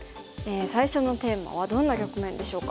最初のテーマはどんな局面でしょうか。